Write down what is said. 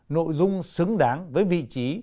nội dung xứng đáng với vị trí